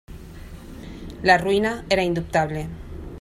La ruïna era indubtable.